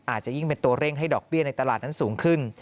อาจจะยิ่งเป็นตัวเร่งให้ดอกเบี้ยในตลาดนั้นสูงขึ้น